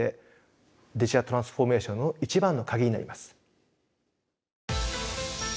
デジタルトランスフォーメーションの一番のカギになります。